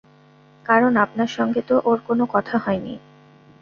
কারণ আপনার সঙ্গে তো ওর কোনো কথা হয় নি।